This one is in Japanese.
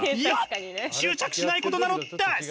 執着しないことなのです！